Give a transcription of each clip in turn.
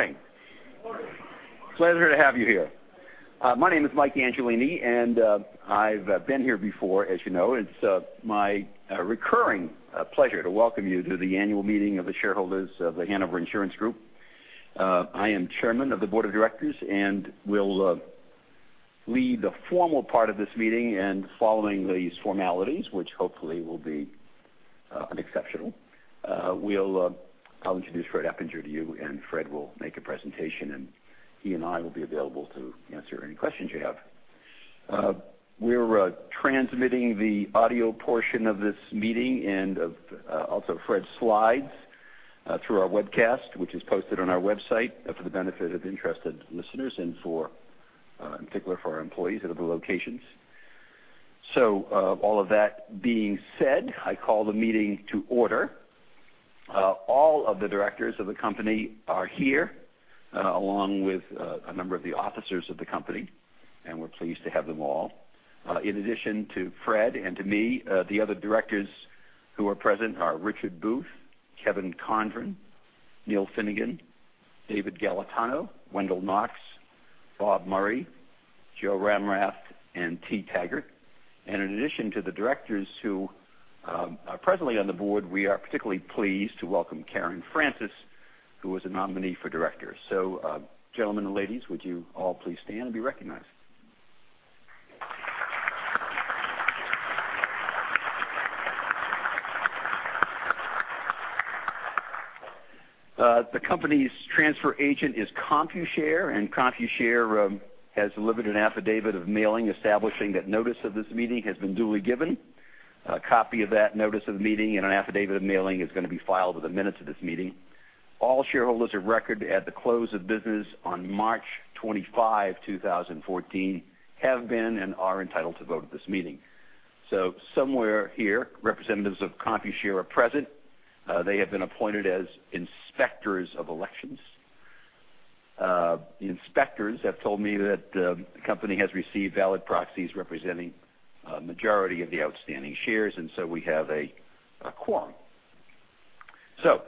Morning. Morning. Pleasure to have you here. My name is Mike Angelini, and I've been here before, as you know. It's my recurring pleasure to welcome you to the annual meeting of the shareholders of The Hanover Insurance Group. I am Chairman of the Board of Directors and will lead the formal part of this meeting and following these formalities, which hopefully will be unexceptional, I'll introduce Fred Eppinger to you, and Fred will make a presentation, and he and I will be available to answer any questions you have. We're transmitting the audio portion of this meeting and also Fred's slides through our webcast, which is posted on our website for the benefit of interested listeners and in particular for our employees at other locations. All of that being said, I call the meeting to order. All of the directors of the company are here, along with a number of the officers of the company, and we're pleased to have them all. In addition to Fred and to me, the other directors who are present are Richard Booth, Kevin Condron, Neil Finnegan, David Dattels, Wendell Knox, Bob Murray, Joe Ramrath, and T. Taggart. In addition to the directors who are presently on the board, we are particularly pleased to welcome Karen Francis, who is a nominee for director. Gentlemen and ladies, would you all please stand and be recognized? The company's transfer agent is Computershare, and Computershare has delivered an affidavit of mailing establishing that notice of this meeting has been duly given. A copy of that notice of the meeting and an affidavit of mailing is going to be filed with the minutes of this meeting. All shareholders of record at the close of business on March 25, 2014, have been and are entitled to vote at this meeting. Somewhere here, representatives of Computershare are present. They have been appointed as inspectors of elections. The inspectors have told me that the company has received valid proxies representing a majority of the outstanding shares, and so we have a quorum.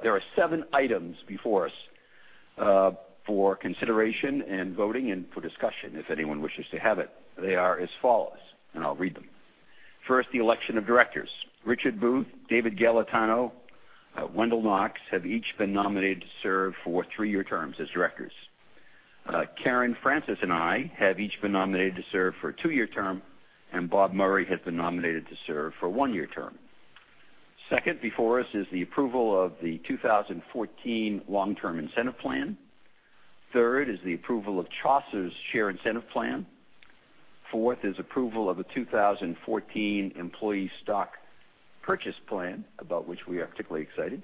There are seven items before us for consideration and voting and for discussion if anyone wishes to have it. They are as follows, and I'll read them. First, the election of directors. Richard Booth, David Dattels, Wendell Knox have each been nominated to serve for three-year terms as directors. Karen Francis and I have each been nominated to serve for a two-year term, and Bob Murray has been nominated to serve for a one-year term. Second before us is the approval of The Hanover Insurance Group 2014 Long-Term Incentive Plan. Third is the approval of Chaucer Share Incentive Plan. Fourth is approval of a 2014 Employee Stock Purchase Plan, about which we are particularly excited.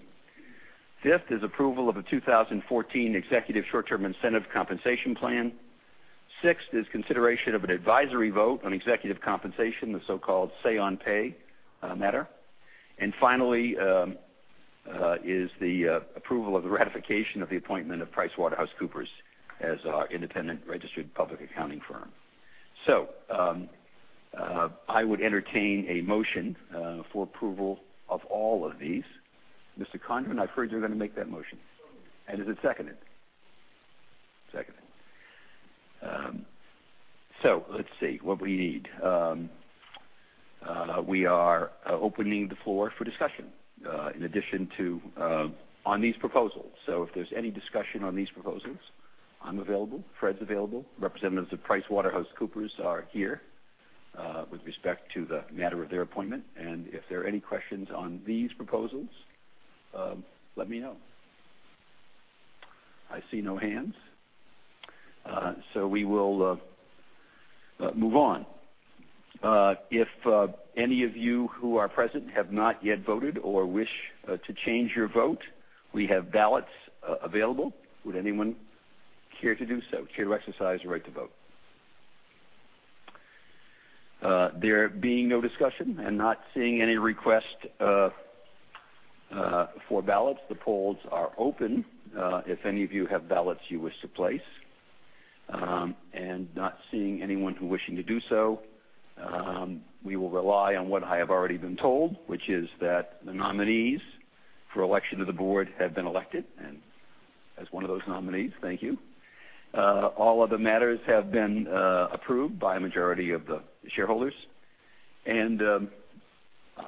Fifth is approval of a 2014 Executive Short-Term Incentive Compensation Plan. Sixth is consideration of an advisory vote on executive compensation, the so-called say on pay matter. Finally is the approval of the ratification of the appointment of PricewaterhouseCoopers as our independent registered public accounting firm. I would entertain a motion for approval of all of these. Mr. Condron, I've heard you're going to make that motion. Moved. Is it seconded? Seconded. Let's see what we need. We are opening the floor for discussion on these proposals. If there's any discussion on these proposals, I'm available. Fred's available. Representatives of PricewaterhouseCoopers are here with respect to the matter of their appointment. If there are any questions on these proposals, let me know. I see no hands, we will move on. If any of you who are present have not yet voted or wish to change your vote, we have ballots available. Would anyone care to do so, care to exercise the right to vote? There being no discussion and not seeing any request for ballots, the polls are open. If any of you have ballots you wish to place. Not seeing anyone who wishing to do so, we will rely on what I have already been told, which is that the nominees for election to the board have been elected. As one of those nominees, thank you. All other matters have been approved by a majority of the shareholders,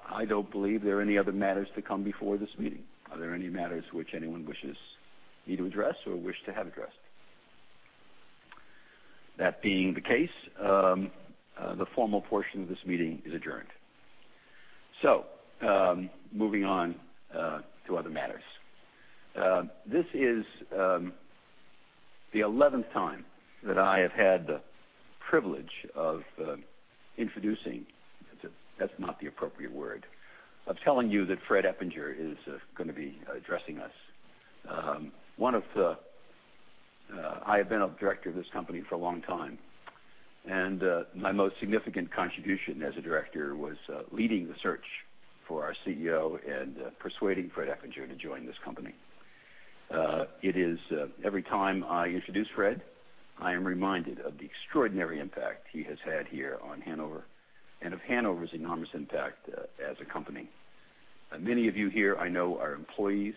I don't believe there are any other matters to come before this meeting. Are there any matters which anyone wishes me to address or wish to have addressed? That being the case, the formal portion of this meeting is adjourned. Moving on to other matters. This is the 11th time that I have had the privilege of introducing That's not the appropriate word. I'm telling you that Fred Eppinger is going to be addressing us. I have been a director of this company for a long time, and my most significant contribution as a director was leading the search for our CEO and persuading Fred Eppinger to join this company. Every time I introduce Fred, I am reminded of the extraordinary impact he has had here on Hanover and of Hanover's enormous impact as a company. Many of you here I know are employees,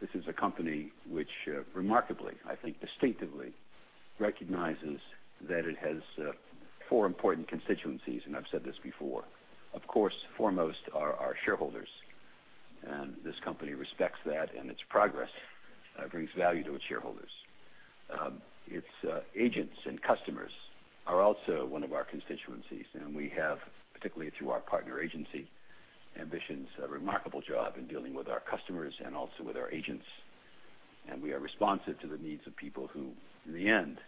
this is a company which remarkably, I think distinctively, recognizes that it has four important constituencies, and I've said this before. Of course, foremost are our shareholders. This company respects that, and its progress brings value to its shareholders. Its agents and customers are also one of our constituencies, and we have, particularly through our partner agency, ambitions, a remarkable job in dealing with our customers and also with our agents. We are responsive to the needs of people who, in the end,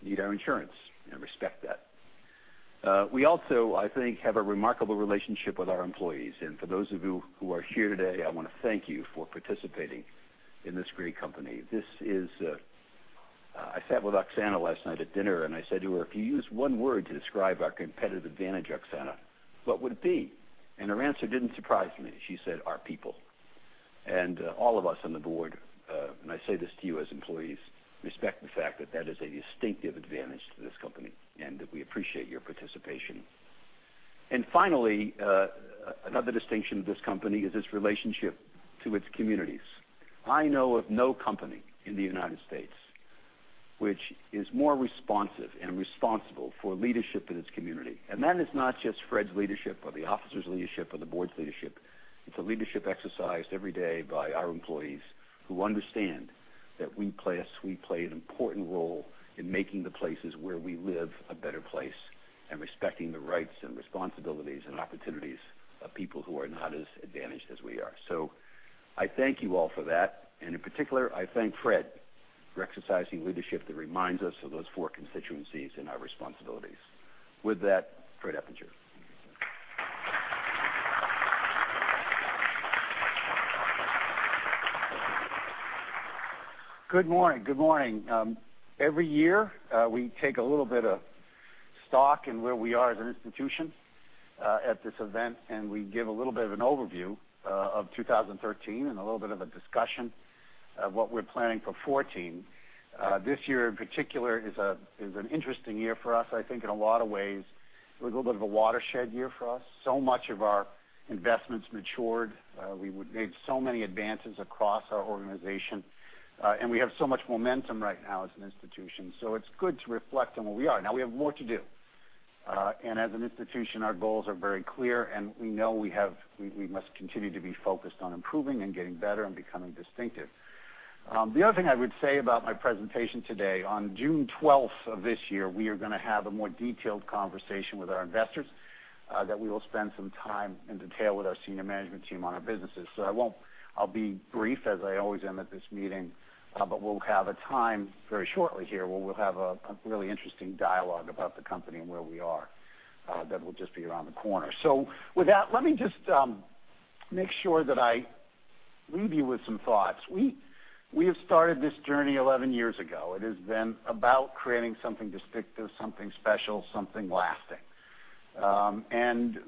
need our insurance and respect that. We also, I think, have a remarkable relationship with our employees. For those of you who are here today, I want to thank you for participating in this great company. I sat with Oksana last night at dinner, I said to her, "If you use one word to describe our competitive advantage, Oksana, what would it be?" Her answer didn't surprise me. She said, "Our people." All of us on the board, and I say this to you as employees, respect the fact that that is a distinctive advantage to this company and that we appreciate your participation. Finally, another distinction of this company is its relationship to its communities. I know of no company in the United States which is more responsive and responsible for leadership in its community. That is not just Fred's leadership or the officers' leadership or the board's leadership. It's a leadership exercised every day by our employees who understand that we play an important role in making the places where we live a better place and respecting the rights and responsibilities and opportunities of people who are not as advantaged as we are. I thank you all for that. In particular, I thank Fred for exercising leadership that reminds us of those four constituencies and our responsibilities. With that, Fred Eppinger. Good morning. Every year, we take a little bit of stock in where we are as an institution at this event, we give a little bit of an overview of 2013 and a little bit of a discussion of what we're planning for 2014. This year in particular is an interesting year for us, I think in a lot of ways. It was a little bit of a watershed year for us. Much of our investments matured. We made so many advances across our organization, and we have so much momentum right now as an institution. It's good to reflect on where we are. Now, we have more to do. As an institution, our goals are very clear, and we know we must continue to be focused on improving and getting better and becoming distinctive. The other thing I would say about my presentation today, on June 12th of this year, we are going to have a more detailed conversation with our investors that we will spend some time in detail with our senior management team on our businesses. I'll be brief as I always am at this meeting, but we'll have a time very shortly here where we'll have a really interesting dialogue about the company and where we are. That will just be around the corner. With that, let me just make sure that I leave you with some thoughts. We have started this journey 11 years ago. It has been about creating something distinctive, something special, something lasting.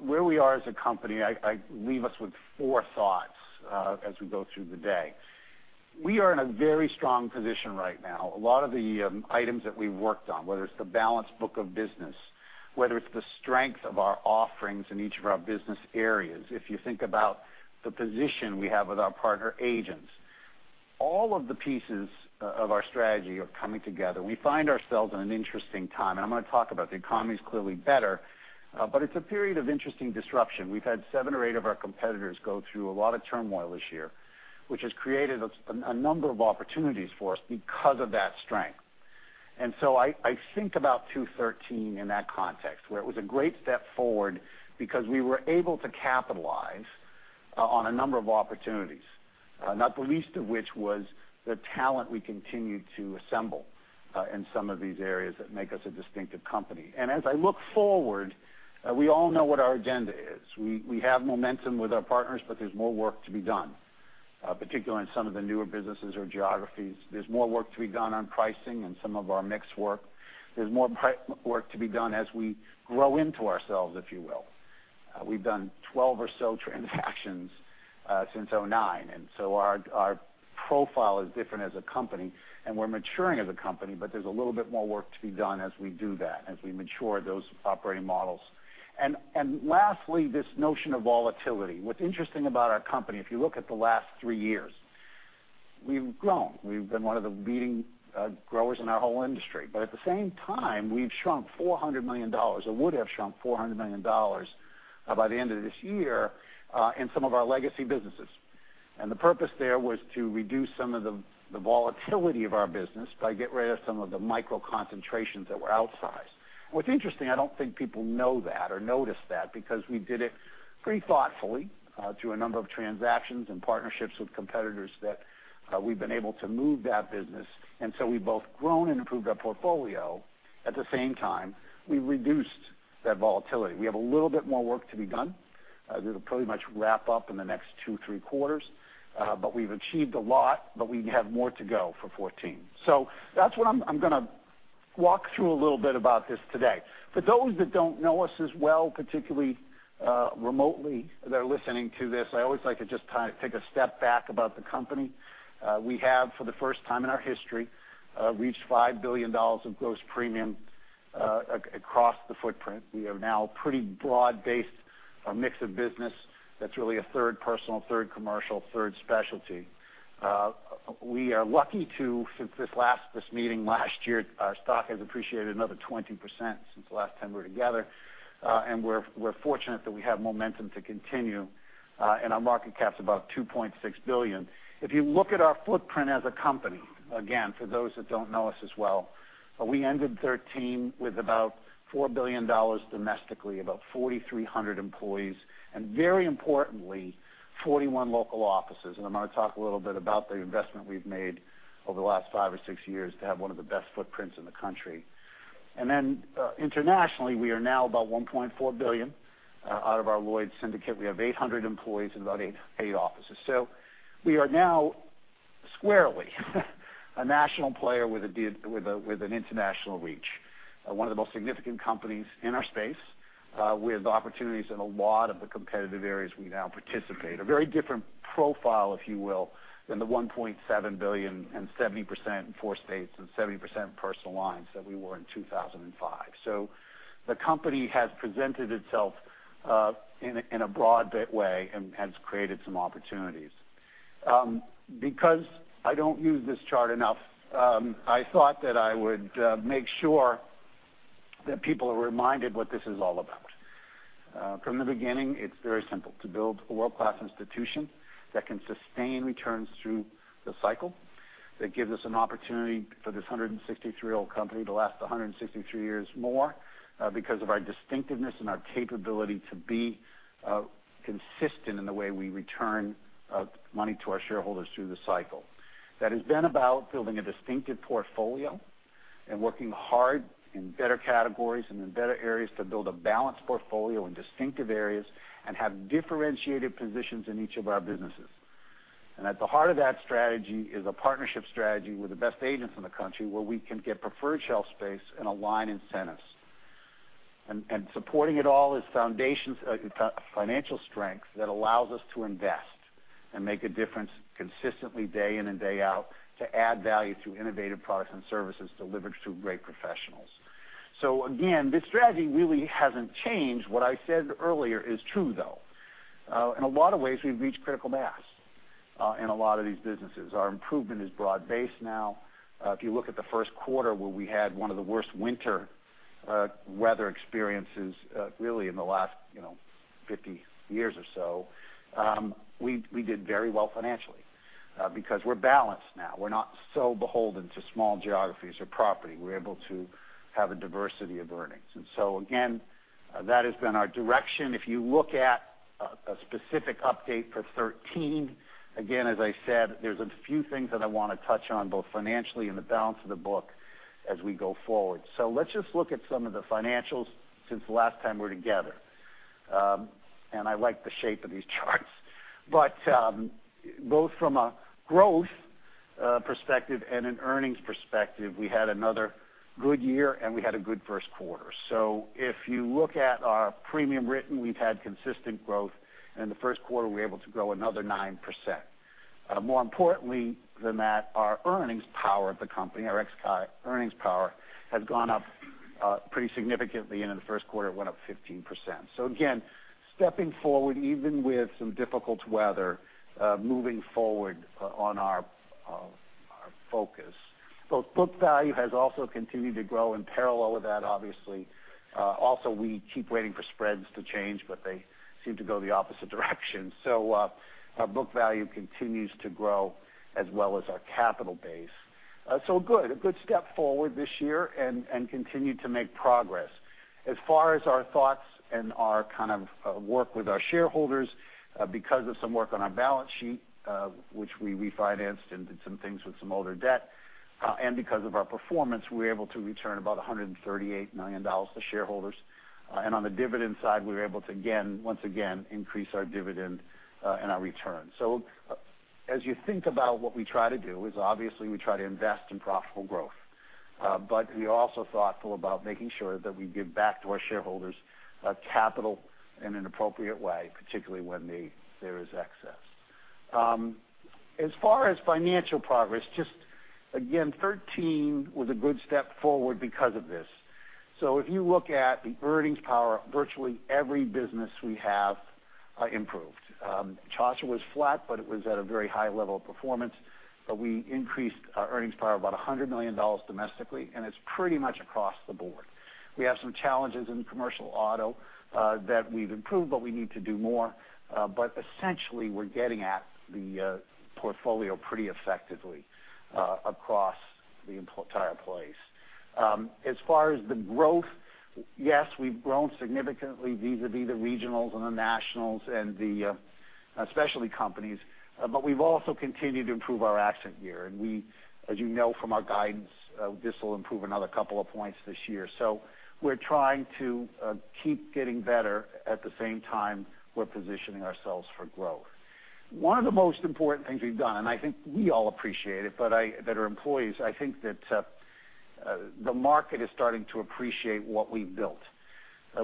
Where we are as a company, I leave us with four thoughts as we go through the day. We are in a very strong position right now. A lot of the items that we've worked on, whether it's the balanced book of business, whether it's the strength of our offerings in each of our business areas, if you think about the position we have with our partner agents, all of the pieces of our strategy are coming together. We find ourselves in an interesting time, and I'm going to talk about it. The economy is clearly better, but it's a period of interesting disruption. We've had seven or eight of our competitors go through a lot of turmoil this year, which has created a number of opportunities for us because of that strength. I think about 2013 in that context, where it was a great step forward because we were able to capitalize on a number of opportunities, not the least of which was the talent we continued to assemble in some of these areas that make us a distinctive company. As I look forward, we all know what our agenda is. We have momentum with our partners, but there's more work to be done, particularly in some of the newer businesses or geographies. There's more work to be done on pricing and some of our mix work. There's more work to be done as we grow into ourselves, if you will. We've done 12 or so transactions since 2009, and so our profile is different as a company, and we're maturing as a company, but there's a little bit more work to be done as we do that, as we mature those operating models. Lastly, this notion of volatility. What's interesting about our company, if you look at the last three years, we've grown. We've been one of the leading growers in our whole industry. At the same time, we've shrunk $400 million, or would have shrunk $400 million by the end of this year in some of our legacy businesses. The purpose there was to reduce some of the volatility of our business by getting rid of some of the micro concentrations that were outsized. What's interesting, I don't think people know that or notice that because we did it pretty thoughtfully through a number of transactions and partnerships with competitors that we've been able to move that business. We've both grown and improved our portfolio. At the same time, we reduced that volatility. We have a little bit more work to be done. It'll pretty much wrap up in the next two, three quarters, but we've achieved a lot, but we have more to go for 2014. That's what I'm going to walk through a little bit about this today. For those that don't know us as well, particularly remotely, that are listening to this, I always like to just take a step back about the company. We have, for the first time in our history, reached $5 billion of gross premium, across the footprint. We have now pretty broad-based mix of business that's really a third personal, third commercial, third specialty. We are lucky to, since this meeting last year, our stock has appreciated another 20% since the last time we were together, and we're fortunate that we have momentum to continue, and our market cap's about $2.6 billion. If you look at our footprint as a company, again, for those that don't know us as well, we ended 2013 with about $4 billion domestically, about 4,300 employees, and very importantly, 41 local offices. I'm going to talk a little bit about the investment we've made over the last five or six years to have one of the best footprints in the country. Then, internationally, we are now about $1.4 billion, out of our Lloyd's syndicate. We have 800 employees and about eight offices. We are now squarely a national player with an international reach, one of the most significant companies in our space, with opportunities in a lot of the competitive areas we now participate. A very different profile, if you will, than the $1.7 billion and 70% in four states and 70% personal lines that we were in 2005. The company has presented itself in a broad way and has created some opportunities. Because I don't use this chart enough, I thought that I would make sure that people are reminded what this is all about. From the beginning, it's very simple: to build a world-class institution that can sustain returns through the cycle, that gives us an opportunity for this 163-year-old company to last 163 years more, because of our distinctiveness and our capability to be consistent in the way we return money to our shareholders through the cycle. That has been about building a distinctive portfolio and working hard in better categories and in better areas to build a balanced portfolio in distinctive areas and have differentiated positions in each of our businesses. At the heart of that strategy is a partnership strategy with the best agents in the country where we can get preferred shelf space and align incentives. Supporting it all is financial strength that allows us to invest and make a difference consistently day in and day out to add value through innovative products and services delivered through great professionals. Again, this strategy really hasn't changed. What I said earlier is true, though. In a lot of ways, we've reached critical mass in a lot of these businesses. Our improvement is broad-based now. If you look at the first quarter where we had one of the worst winter weather experiences really in the last 50 years or so, we did very well financially, because we're balanced now. We're not so beholden to small geographies or property. We're able to have a diversity of earnings. Again, that has been our direction. If you look at a specific update for 2013, again, as I said, there's a few things that I want to touch on, both financially and the balance of the book as we go forward. Let's just look at some of the financials since the last time we were together. I like the shape of these charts. Both from a growth perspective and an earnings perspective, we had another good year, and we had a good first quarter. If you look at our premium written, we've had consistent growth, and in the first quarter, we were able to grow another 9%. More importantly than that, our earnings power of the company, our ex earnings power, has gone up pretty significantly, and in the first quarter, it went up 15%. Again, stepping forward, even with some difficult weather, moving forward on our focus. Both book value has also continued to grow in parallel with that, obviously. Also, we keep waiting for spreads to change, but they seem to go the opposite direction. Our book value continues to grow as well as our capital base. Good. A good step forward this year and continue to make progress. As far as our thoughts and our work with our shareholders, because of some work on our balance sheet, which we refinanced and did some things with some older debt, because of our performance, we were able to return about $138 million to shareholders. On the dividend side, we were able to, once again, increase our dividend and our return. As you think about what we try to do is obviously we try to invest in profitable growth. We're also thoughtful about making sure that we give back to our shareholders capital in an appropriate way, particularly when there is excess. As far as financial progress, just again, 2013 was a good step forward because of this. If you look at the earnings power, virtually every business we have improved. Chaucer was flat, it was at a very high level of performance, we increased our earnings power about $100 million domestically, it's pretty much across the board. We have some challenges in commercial auto that we've improved, we need to do more. Essentially, we're getting at the portfolio pretty effectively across the entire place. As far as the growth, yes, we've grown significantly vis-à-vis the regionals and the nationals and the specialty companies. We've also continued to improve our accident year. As you know from our guidance, this will improve another couple of points this year. We're trying to keep getting better. At the same time, we're positioning ourselves for growth. One of the most important things we've done, and I think we all appreciate it, I think that the market is starting to appreciate what we've built.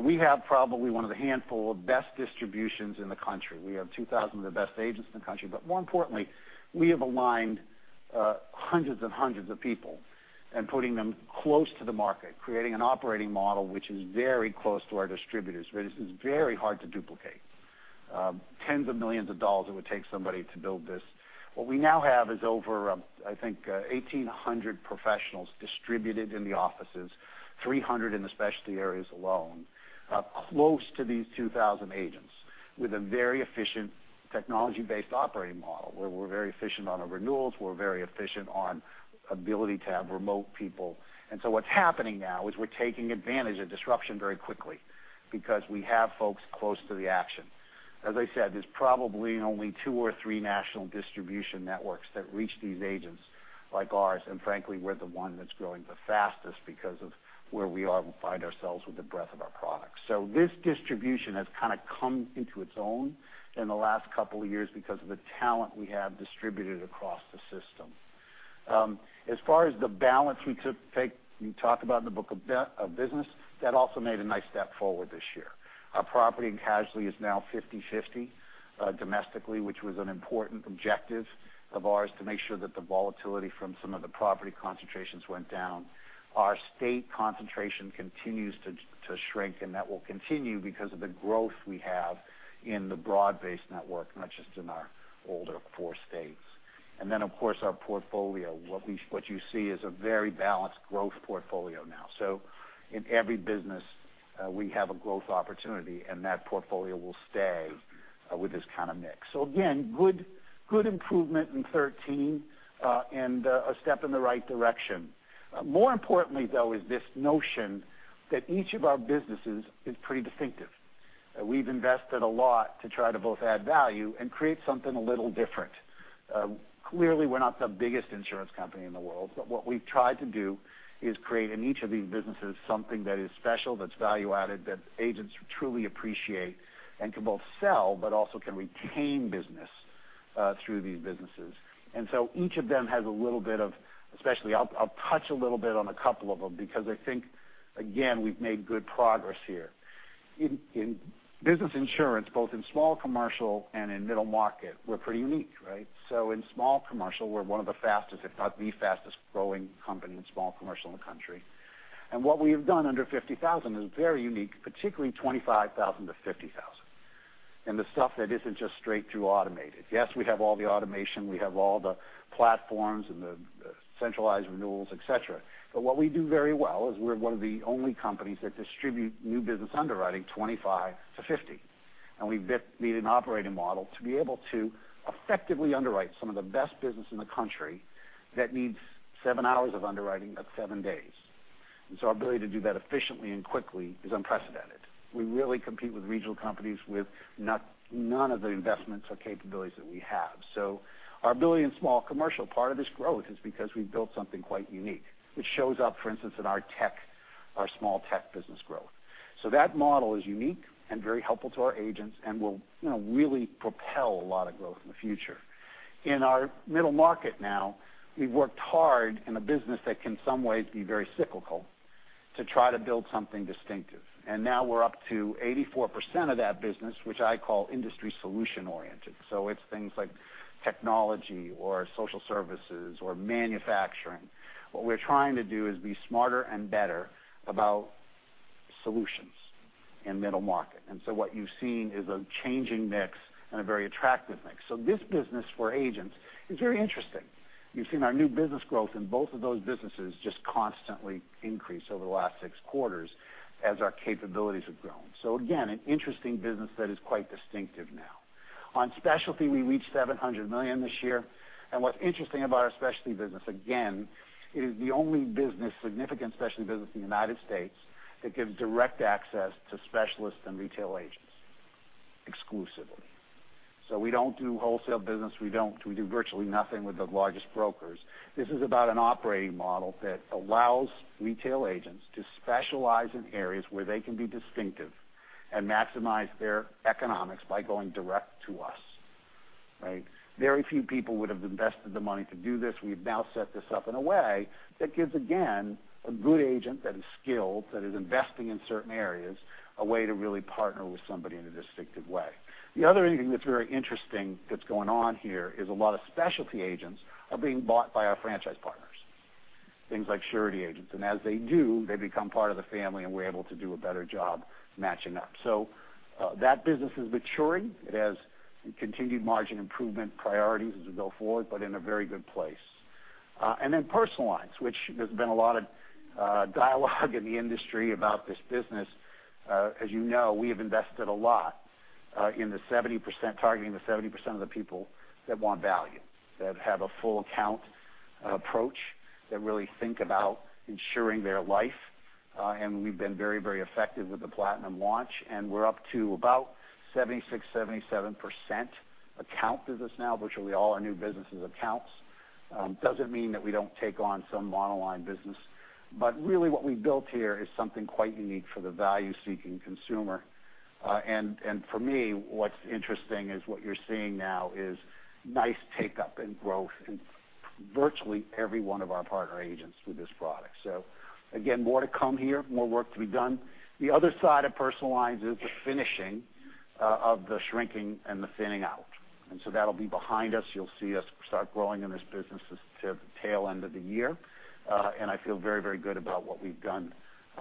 We have probably one of the handful of best distributions in the country. We have 2,000 of the best agents in the country, more importantly, we have aligned hundreds and hundreds of people and putting them close to the market, creating an operating model which is very close to our distributors, is very hard to duplicate. Tens of millions of dollars it would take somebody to build this. What we now have is over, I think, 1,800 professionals distributed in the offices, 300 in the specialty areas alone, close to these 2,000 agents with a very efficient technology-based operating model where we're very efficient on our renewals. We're very efficient on ability to have remote people. What's happening now is we're taking advantage of disruption very quickly because we have folks close to the action. As I said, there's probably only two or three national distribution networks that reach these agents like ours. Frankly, we're the one that's growing the fastest because of where we are and find ourselves with the breadth of our products. This distribution has come into its own in the last couple of years because of the talent we have distributed across the system. As far as the balance we took, you talk about in the Book of Business, that also made a nice step forward this year. Our property and casualty is now 50/50 domestically, which was an important objective of ours to make sure that the volatility from some of the property concentrations went down. Our state concentration continues to shrink, that will continue because of the growth we have in the broad-based network, not just in our older core states. Our portfolio, what you see is a very balanced growth portfolio now. In every business, we have a growth opportunity, and that portfolio will stay with this kind of mix. Good improvement in 2013 and a step in the right direction. This notion that each of our businesses is pretty distinctive. We've invested a lot to try to both add value and create something a little different. We're not the biggest insurance company in the world, but what we've tried to do is create in each of these businesses something that is special, that's value added, that agents truly appreciate and can both sell but also can retain business through these businesses. Each of them has a little bit of, especially I'll touch a little bit on a couple of them because I think, again, we've made good progress here. In business insurance, both in small commercial and in middle market, we're pretty unique, right? In small commercial, we're one of the fastest, if not the fastest growing company in small commercial in the country. What we have done under $50,000 is very unique, particularly $25,000-$50,000. The stuff that isn't just straight through automated. We have all the automation, we have all the platforms, and the centralized renewals, et cetera. What we do very well is we're one of the only companies that distribute new business underwriting $25-$50. We've built an operating model to be able to effectively underwrite some of the best business in the country that needs seven hours of underwriting, not seven days. Our ability to do that efficiently and quickly is unprecedented. We really compete with regional companies with none of the investments or capabilities that we have. Our ability in small commercial, part of this growth is because we've built something quite unique, which shows up, for instance, in our tech, our small tech business growth. That model is unique and very helpful to our agents and will really propel a lot of growth in the future. In our middle market now, we've worked hard in a business that can some ways be very cyclical to try to build something distinctive. Now we're up to 84% of that business, which I call industry solution oriented. It's things like technology or social services or manufacturing. What we're trying to do is be smarter and better about solutions in middle market. What you've seen is a changing mix and a very attractive mix. This business for agents is very interesting. You've seen our new business growth in both of those businesses just constantly increase over the last six quarters as our capabilities have grown. An interesting business that is quite distinctive now. On specialty, we reached $700 million this year, what's interesting about our specialty business, again, it is the only business, significant specialty business in the U.S. that gives direct access to specialists and retail agents exclusively. We don't do wholesale business. We do virtually nothing with the largest brokers. This is about an operating model that allows retail agents to specialize in areas where they can be distinctive and maximize their economics by going direct to us. Right. Very few people would have invested the money to do this. We've now set this up in a way that gives, again, a good agent that is skilled, that is investing in certain areas, a way to really partner with somebody in a distinctive way. The other thing that's very interesting that's going on here is a lot of specialty agents are being bought by our franchise partners, things like surety agents. As they do, they become part of the family, and we're able to do a better job matching up. That business is maturing. It has continued margin improvement priorities as we go forward, but in a very good place. Personal Lines, which there's been a lot of dialogue in the industry about this business. As you know, we have invested a lot in the 70%, targeting the 70% of the people that want value, that have a full account approach, that really think about ensuring their life. We've been very, very effective with the Hanover Platinum launch, and we're up to about 76%-77% account business now, which will be all our new business' accounts. Doesn't mean that we don't take on some monoline business, but really what we built here is something quite unique for the value-seeking consumer. For me, what's interesting is what you're seeing now is nice take-up and growth in virtually every one of our partner agents through this product. Again, more to come here, more work to be done. The other side of Personal Lines is the finishing of the shrinking and the thinning out. That'll be behind us. You'll see us start growing in this business toward the tail end of the year. I feel very good about what we've done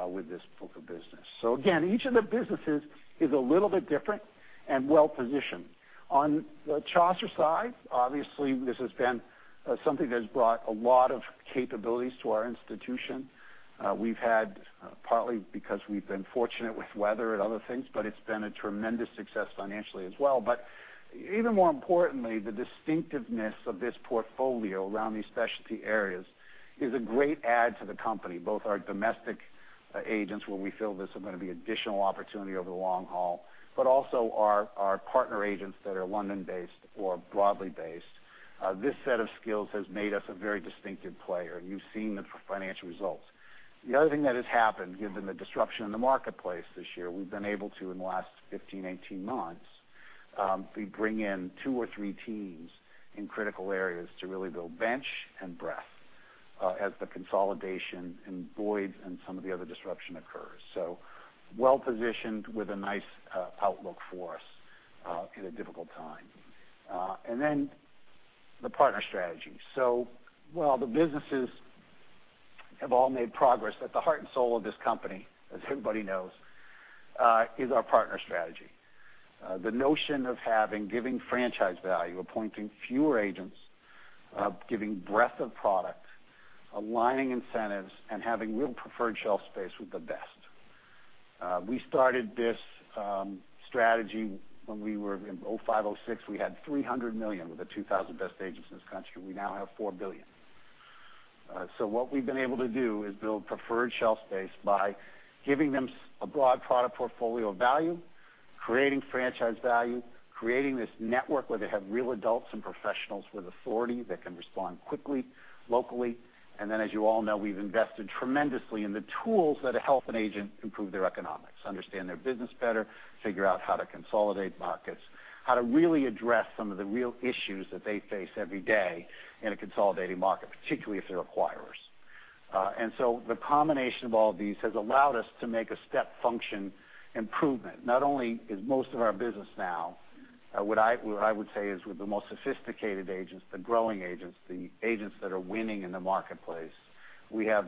with this book of business. Again, each of the businesses is a little bit different and well-positioned. On the Chaucer side, obviously, this has been something that has brought a lot of capabilities to our institution. We've had, partly because we've been fortunate with weather and other things, but it's been a tremendous success financially as well. Even more importantly, the distinctiveness of this portfolio around these specialty areas is a great add to the company, both our domestic agents, where we feel this is going to be additional opportunity over the long haul, but also our partner agents that are London-based or broadly based. This set of skills has made us a very distinctive player, and you've seen the financial results. The other thing that has happened, given the disruption in the marketplace this year, we've been able to, in the last 15-18 months, bring in two or three teams in critical areas to really build bench and breadth as the consolidation in voids and some of the other disruption occurs. Well-positioned with a nice outlook for us in a difficult time. The partner strategy. While the businesses have all made progress, at the heart and soul of this company, as everybody knows, is our partner strategy. The notion of having giving franchise value, appointing fewer agents, giving breadth of product, aligning incentives, and having real preferred shelf space with the best. We started this strategy when we were in 2005, 2006. We had $300 million with the 2,000 best agents in this country. We now have $4 billion. What we've been able to do is build preferred shelf space by giving them a broad product portfolio of value, creating franchise value, creating this network where they have real adults and professionals with authority that can respond quickly, locally. As you all know, we've invested tremendously in the tools that help an agent improve their economics, understand their business better, figure out how to consolidate markets, how to really address some of the real issues that they face every day in a consolidating market, particularly if they're acquirers. The combination of all these has allowed us to make a step function improvement. Not only is most of our business now, what I would say is with the most sophisticated agents, the growing agents, the agents that are winning in the marketplace, we have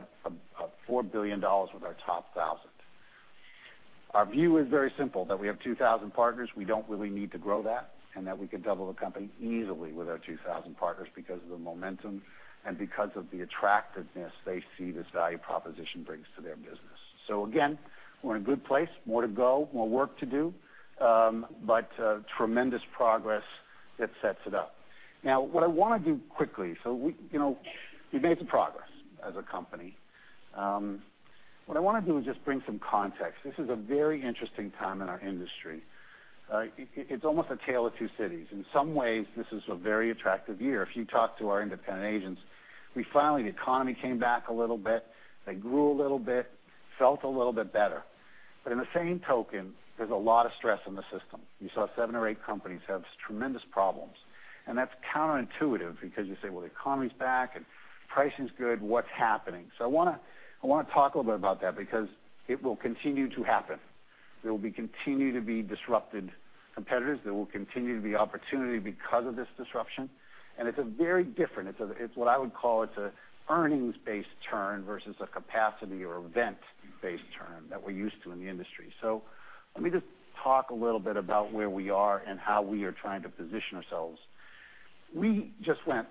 $4 billion with our top 1,000. Our view is very simple, that we have 2,000 partners, we don't really need to grow that, and that we could double the company easily with our 2,000 partners because of the momentum and because of the attractiveness they see this value proposition brings to their business. Again, we're in a good place, more to go, more work to do, but tremendous progress that sets it up. What I want to do quickly, we've made some progress as a company. What I want to do is just bring some context. This is a very interesting time in our industry. It's almost a tale of two cities. In some ways, this is a very attractive year. If you talk to our independent agents, finally, the economy came back a little bit, they grew a little bit, felt a little bit better. In the same token, there's a lot of stress in the system. You saw seven or eight companies have tremendous problems, and that's counterintuitive because you say, well, the economy's back and pricing's good. What's happening? I want to talk a little bit about that because it will continue to happen. There will continue to be disrupted competitors. There will continue to be opportunity because of this disruption. It's a very different, it's what I would call it's an earnings-based turn versus a capacity or event-based turn that we're used to in the industry. Let me just talk a little bit about where we are and how we are trying to position ourselves. We just went,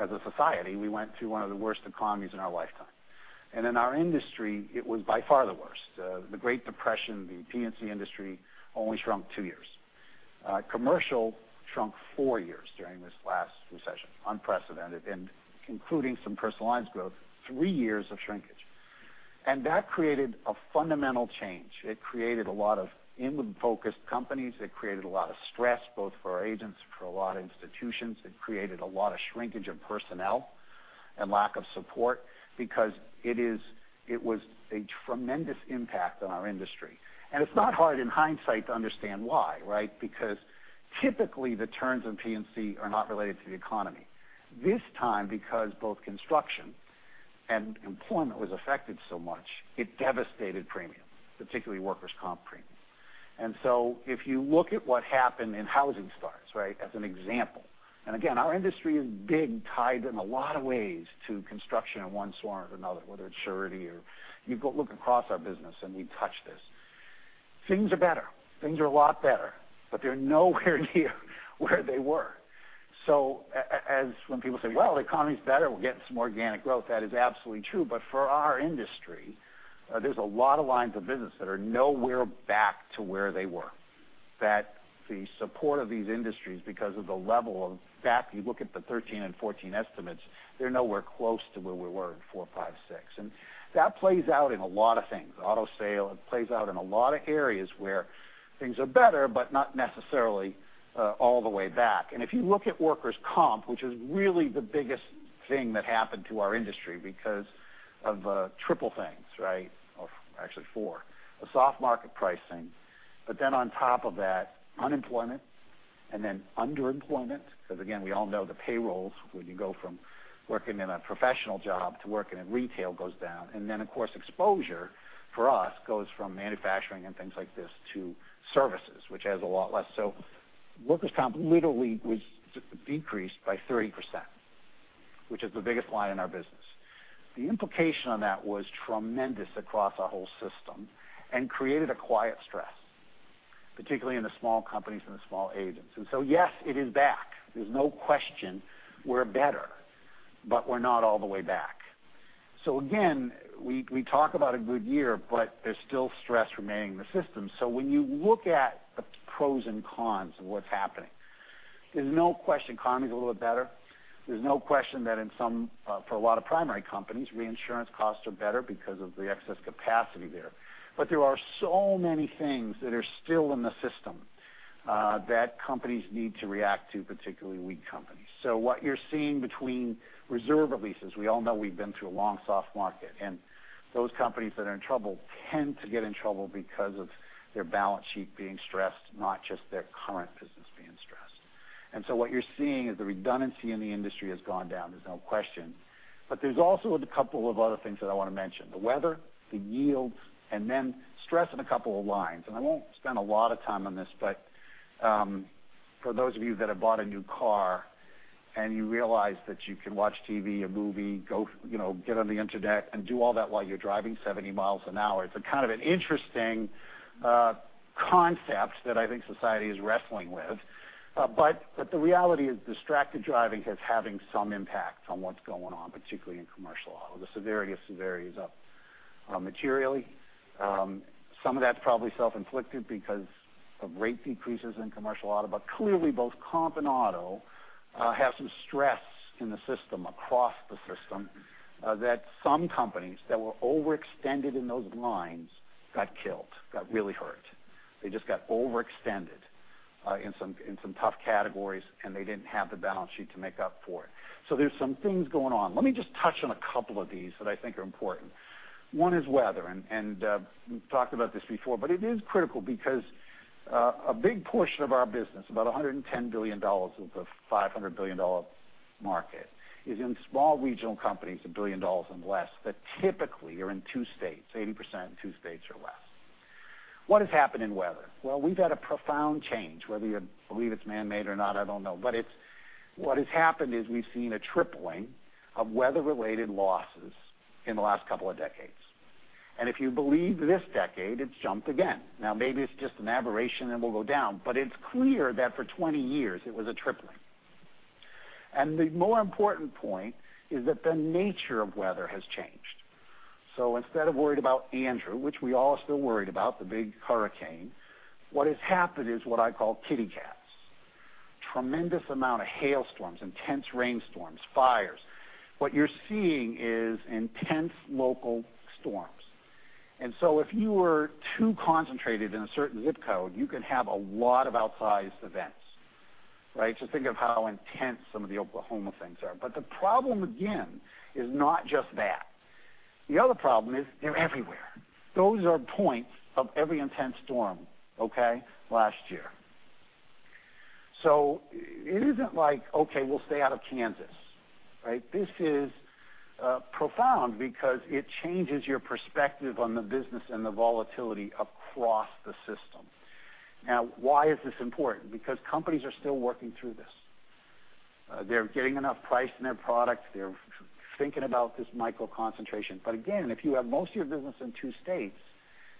as a society, we went through one of the worst economies in our lifetime. In our industry, it was by far the worst. The Great Depression, the P&C industry only shrunk two years. Commercial shrunk four years during this last recession, unprecedented, including some Personal Lines growth, three years of shrinkage. That created a fundamental change. It created a lot of inward-focused companies. It created a lot of stress, both for our agents and for a lot of institutions. It created a lot of shrinkage of personnel and lack of support because it was a tremendous impact on our industry. It's not hard in hindsight to understand why, right? Because typically, the turns in P&C are not related to the economy. This time, because both construction and employment was affected so much, it devastated premiums, particularly workers' comp premiums. If you look at what happened in housing starts, right, as an example, again, our industry is big tied in a lot of ways to construction in one form or another, whether it's surety or you go look across our business and we touch this. Things are better. Things are a lot better, but they're nowhere near where they were. When people say, well, the economy's better, we're getting some organic growth, that is absolutely true. For our industry, there's a lot of lines of business that are nowhere back to where they were. That the support of these industries because of the level of, in fact, you look at the 2013 and 2014 estimates, they're nowhere close to where we were in 2004, 2005, 2006. That plays out in a lot of things. Auto sale. It plays out in a lot of areas where things are better, but not necessarily all the way back. If you look at workers' comp, which is really the biggest thing that happened to our industry because of triple things, right? Well, actually four. The soft market pricing, on top of that, unemployment and then underemployment, because again, we all know the payrolls, when you go from working in a professional job to working in retail goes down. Then, of course, exposure for us goes from manufacturing and things like this to services, which has a lot less. Workers' comp literally was decreased by 30%, which is the biggest line in our business. The implication on that was tremendous across our whole system and created a quiet stress, particularly in the small companies and the small agents. Yes, it is back. There's no question we're better, but we're not all the way back. Again, we talk about a good year, but there's still stress remaining in the system. When you look at the pros and cons of what's happening, there's no question the economy's a little bit better. There's no question that for a lot of primary companies, reinsurance costs are better because of the excess capacity there. There are so many things that are still in the system that companies need to react to, particularly weak companies. What you're seeing between reserve releases, we all know we've been through a long soft market, and those companies that are in trouble tend to get in trouble because of their balance sheet being stressed, not just their current business being stressed. What you're seeing is the redundancy in the industry has gone down, there's no question. There's also a couple of other things that I want to mention. The weather, the yields, stress in a couple of lines. I won't spend a lot of time on this, but for those of you that have bought a new car and you realize that you can watch TV, a movie, get on the internet, and do all that while you're driving 70 miles an hour, it's an interesting concept that I think society is wrestling with. The reality is distracted driving is having some impact on what's going on, particularly in commercial auto. The severity is up materially. Some of that's probably self-inflicted because of rate decreases in commercial auto, but clearly, both comp and auto have some stress in the system, across the system, that some companies that were overextended in those lines got killed, got really hurt. They just got overextended in some tough categories, and they didn't have the balance sheet to make up for it. There's some things going on. Let me just touch on a couple of these that I think are important. One is weather, and we've talked about this before, but it is critical because a big portion of our business, about $110 billion of the $500 billion market, is in small regional companies, $1 billion and less, that typically are in two states, 80% in two states or less. What has happened in weather? Well, we've had a profound change. Whether you believe it's manmade or not, I don't know. What has happened is we've seen a tripling of weather-related losses in the last couple of decades. If you believe this decade, it's jumped again. Maybe it's just an aberration and will go down, it's clear that for 20 years it was a tripling. The more important point is that the nature of weather has changed. Instead of worried about Andrew, which we all are still worried about, the big hurricane, what has happened is what I call kitty cats. Tremendous amount of hailstorms, intense rainstorms, fires. What you're seeing is intense local storms. If you were too concentrated in a certain ZIP code, you can have a lot of outsized events. Right? Just think of how intense some of the Oklahoma things are. The problem again is not just that. The other problem is they're everywhere. Those are points of every intense storm, okay, last year. It isn't like, okay, we'll stay out of Kansas, right? This is profound because it changes your perspective on the business and the volatility across the system. Why is this important? Because companies are still working through this. They're getting enough price in their product. They're thinking about this micro concentration. Again, if you have most of your business in two states,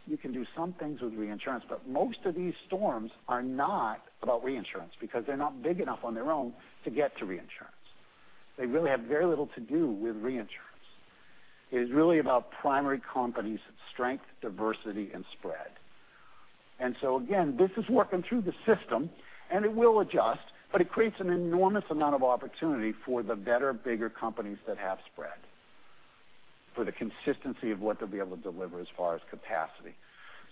you can do some things with reinsurance, but most of these storms are not about reinsurance because they're not big enough on their own to get to reinsurance. They really have very little to do with reinsurance. It is really about primary companies' strength, diversity, and spread. Again, this is working through the system, and it will adjust, it creates an enormous amount of opportunity for the better, bigger companies that have spread for the consistency of what they'll be able to deliver as far as capacity.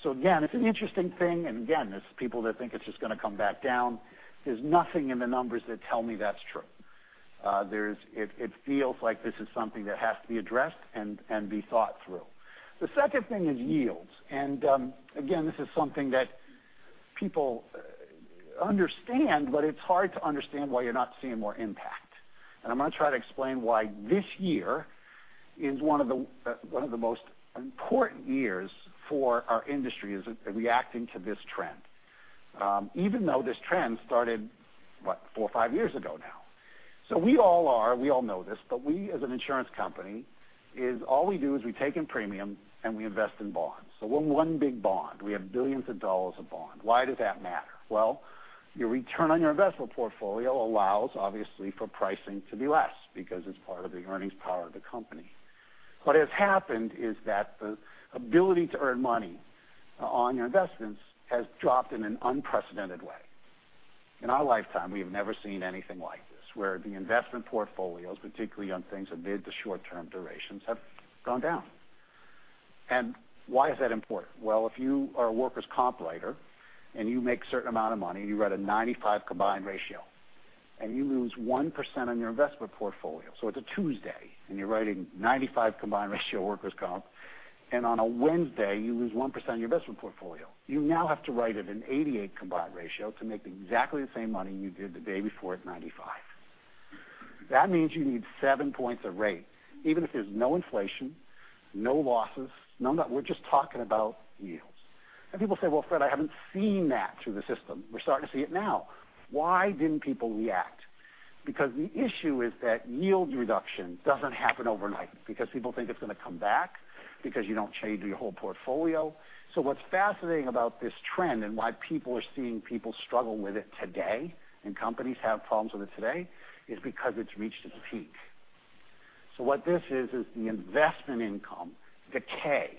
Again, it's an interesting thing, again, there's people that think it's just going to come back down. There's nothing in the numbers that tell me that's true. It feels like this is something that has to be addressed and be thought through. The second thing is yields. Again, this is something that people understand, but it's hard to understand why you're not seeing more impact. I'm going to try to explain why this year is one of the most important years for our industry is reacting to this trend, even though this trend started, what, four or five years ago now. We all are, we all know this, but we as an insurance company is all we do is we take in premium and we invest in bonds. We're one big bond. We have $billions of bond. Why does that matter? Your return on your investment portfolio allows, obviously, for pricing to be less because it's part of the earnings power of the company. What has happened is that the ability to earn money on your investments has dropped in an unprecedented way. In our lifetime, we have never seen anything like this, where the investment portfolios, particularly on things of mid to short-term durations, have gone down. Why is that important? If you are a workers' comp writer and you make a certain amount of money, you write a 95 combined ratio, and you lose 1% on your investment portfolio. It's a Tuesday, and you're writing 95 combined ratio workers' comp, and on a Wednesday, you lose 1% of your investment portfolio. You now have to write it an 88 combined ratio to make exactly the same money you did the day before at 95. That means you need seven points of rate, even if there's no inflation, no losses, none of that. We're just talking about yields. People say, "Fred, I haven't seen that through the system." We're starting to see it now. Why didn't people react? The issue is that yield reduction doesn't happen overnight, because people think it's going to come back, because you don't change your whole portfolio. What's fascinating about this trend and why people are seeing people struggle with it today, and companies have problems with it today, is because it's reached its peak. What this is the investment income decay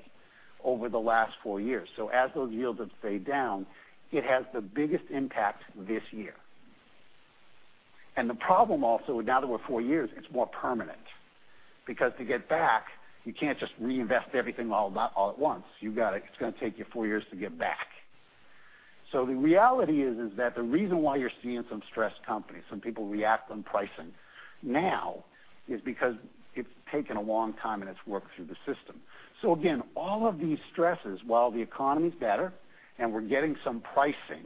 over the last four years. As those yields have stayed down, it has the biggest impact this year. The problem also, now that we're four years, it's more permanent, because to get back, you can't just reinvest everything all at once. It's going to take you four years to get back. The reality is that the reason why you're seeing some stressed companies, some people react on pricing now, is because it's taken a long time, and it's worked through the system. All of these stresses, while the economy's better and we're getting some pricing,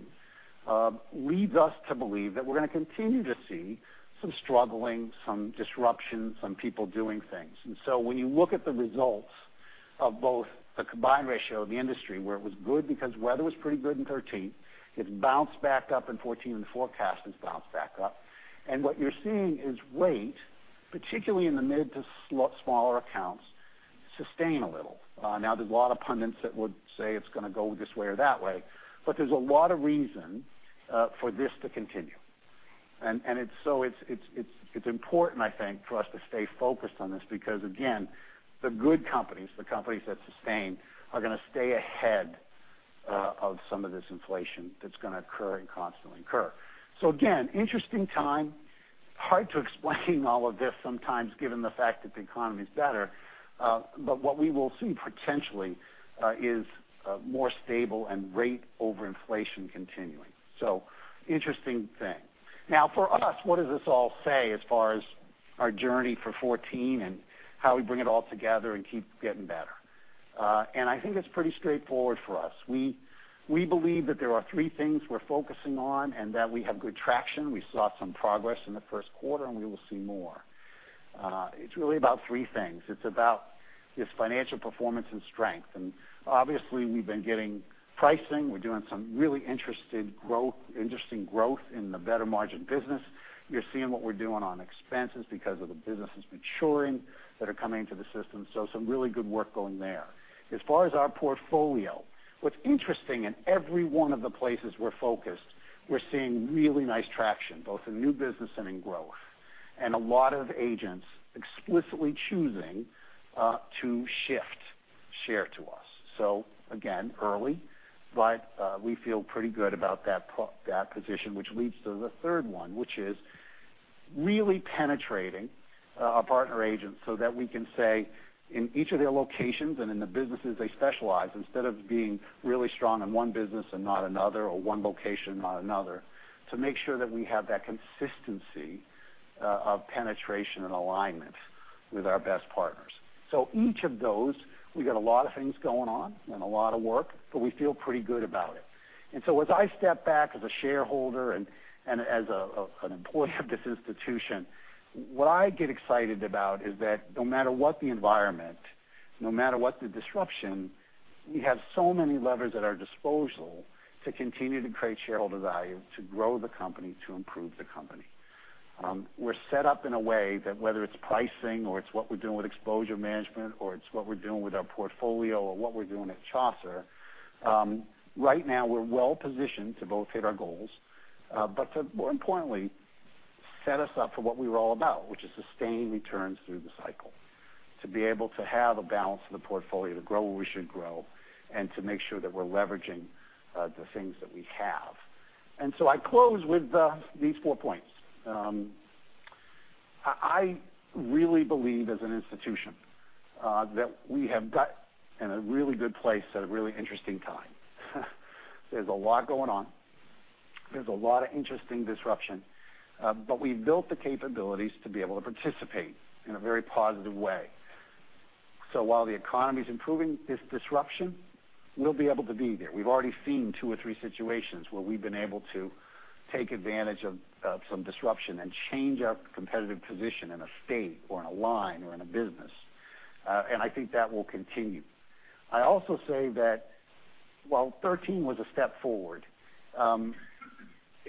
leads us to believe that we're going to continue to see some struggling, some disruption, some people doing things. When you look at the results of both the combined ratio of the industry, where it was good because weather was pretty good in 2013, it's bounced back up in 2014, and the forecast has bounced back up. What you're seeing is weight, particularly in the mid to smaller accounts, sustain a little. There's a lot of pundits that would say it's going to go this way or that way, but there's a lot of reason for this to continue. It's important, I think, for us to stay focused on this because, again, the good companies, the companies that sustain, are going to stay ahead of some of this inflation that's going to occur and constantly occur. Again, interesting time. Hard to explain all of this sometimes, given the fact that the economy's better. What we will see potentially is more stable and rate over inflation continuing. Interesting thing. For us, what does this all say as far as our journey for 2014 and how we bring it all together and keep getting better? I think it's pretty straightforward for us. We believe that there are three things we're focusing on and that we have good traction. We saw some progress in the first quarter, and we will see more. It's really about three things. It's about this financial performance and strength. Obviously, we've been getting pricing. We're doing some really interesting growth in the better margin business. You're seeing what we're doing on expenses because of the businesses maturing that are coming into the system. Some really good work going there. As far as our portfolio, what's interesting in every one of the places we're focused, we're seeing really nice traction, both in new business and in growth. A lot of agents explicitly choosing to shift share to us. Again, early, but we feel pretty good about that position, which leads to the third one, which is really penetrating our partner agents so that we can say in each of their locations and in the businesses they specialize, instead of being really strong in one business and not another, or one location and not another, to make sure that we have that consistency of penetration and alignment with our best partners. Each of those, we've got a lot of things going on and a lot of work, but we feel pretty good about it. As I step back as a shareholder and as an employee of this institution, what I get excited about is that no matter what the environment, no matter what the disruption, we have so many levers at our disposal to continue to create shareholder value, to grow the company, to improve the company. We're set up in a way that whether it's pricing or it's what we're doing with exposure management, or it's what we're doing with our portfolio or what we're doing at Chaucer, right now, we're well positioned to both hit our goals, but to more importantly, set us up for what we're all about, which is sustained returns through the cycle, to be able to have a balance in the portfolio, to grow where we should grow, and to make sure that we're leveraging the things that we have. I close with these four points. I really believe as an institution that we have got in a really good place at a really interesting time. There's a lot going on. There's a lot of interesting disruption. We've built the capabilities to be able to participate in a very positive way. While the economy's improving this disruption, we'll be able to be there. We've already seen two or three situations where we've been able to take advantage of some disruption and change our competitive position in a state or in a line or in a business. I think that will continue. I also say that while 2013 was a step forward,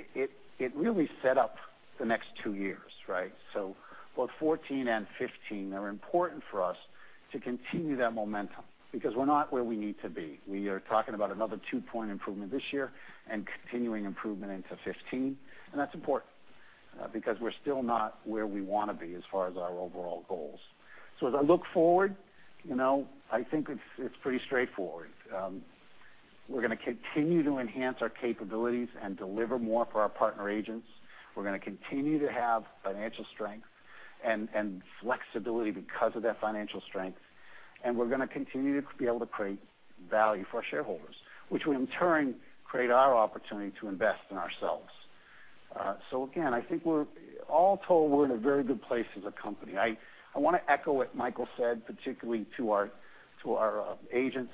it really set up the next two years, right? Both 2014 and 2015 are important for us to continue that momentum because we're not where we need to be. We are talking about another two-point improvement this year and continuing improvement into 2015, and that's important because we're still not where we want to be as far as our overall goals. As I look forward, I think it's pretty straightforward. We're going to continue to enhance our capabilities and deliver more for our partner agents. We're going to continue to have financial strength and flexibility because of that financial strength, and we're going to continue to be able to create value for our shareholders, which will in turn create our opportunity to invest in ourselves. Again, I think all told, we're in a very good place as a company. I want to echo what Michael said, particularly to our agents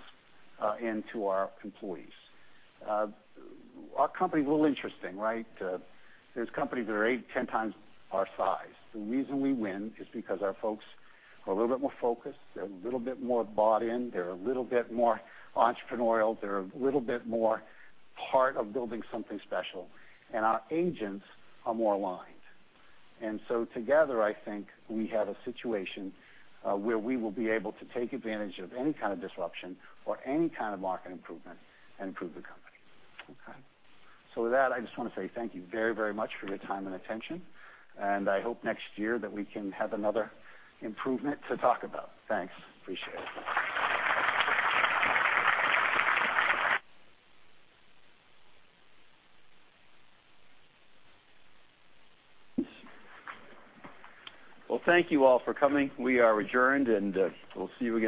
and to our employees. Our company is a little interesting, right? There's companies that are eight, 10 times our size. The reason we win is because our folks are a little bit more focused, they're a little bit more bought in, they're a little bit more entrepreneurial, they're a little bit more part of building something special, and our agents are more aligned. Together, I think we have a situation where we will be able to take advantage of any kind of disruption or any kind of market improvement and improve the company. Okay. With that, I just want to say thank you very, very much for your time and attention, and I hope next year that we can have another improvement to talk about. Thanks. Appreciate it. Well, thank you all for coming. We are adjourned, and we'll see you again.